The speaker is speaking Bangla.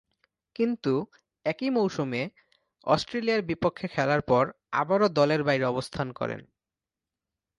কিন্তু, একই মৌসুমে অস্ট্রেলিয়ার বিপক্ষে খেলার পর আবারও দলের বাইরে অবস্থান করেন।